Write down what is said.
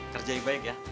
kerjain baik ya